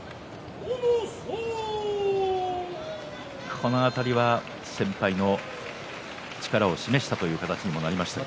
この辺りは先輩の力を示したという形になりました。